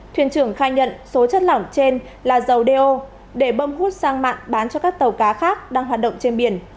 thuyền trưởng khai nhận số chất lỏng trên là dầu do để bơm hút sang mạng bán cho các tàu cá khác đang hoạt động trên biển